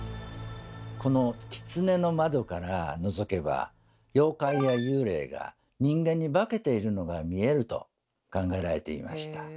この狐の窓からのぞけば妖怪や幽霊が人間に化けているのが見えると考えられていました。